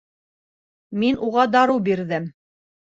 Мин уға дарыу бирҙем.